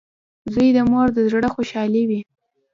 • زوی د مور د زړۀ خوشحالي وي.